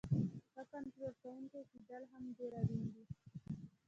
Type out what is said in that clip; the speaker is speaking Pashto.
ښه کنټرول کوونکی کیدل هم ډیر اړین دی.